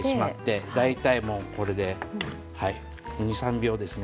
大体、これで２３秒ですね。